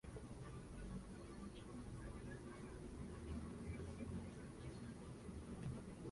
En este mismo año la actriz participa en la cinta "Mr.